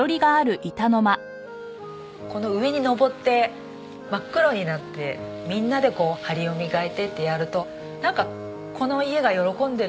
この上に上って真っ黒になってみんなで梁を磨いてってやるとなんかこの家が喜んでるような。